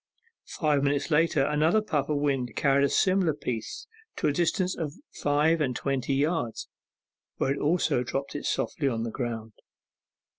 Five minutes later another puff of wind carried a similar piece to a distance of five and twenty yards, where it also was dropped softly on the ground.